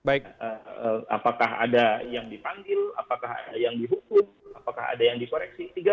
apakah ada yang dipanggil apakah ada yang dihukum apakah ada yang dikoreksi